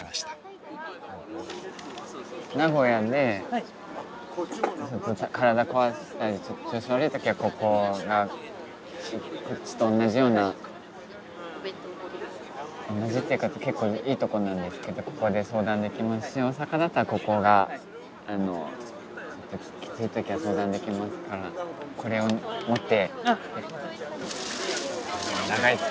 名古屋で体壊したりちょっと調子悪い時はここがこっちと同じような同じっていうか結構いいとこなんですけどここで相談できますし大阪だったらここがきつい時は相談できますからこれを持って。